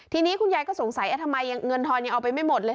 ทีนี้คุณยายก็สงสัยทำไมเงินทอนยังเอาไปไม่หมดเลย